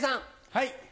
はい。